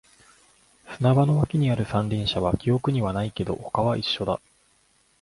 砂場の脇にある三輪車は記憶にはないけど、他は一緒だ